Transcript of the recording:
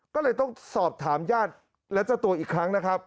ก็เลยต้องสอบถามญาติและเจ้าตัวอีกครั้งนะครับ